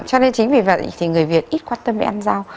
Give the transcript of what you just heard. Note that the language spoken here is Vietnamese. cho nên chính vì vậy thì người việt ít quan tâm đến ăn rau